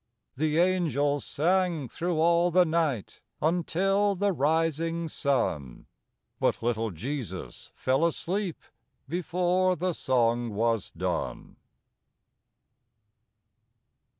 The angels sang thro' all the night Until the rising sun, But little Jesus fell asleep Before the song was done.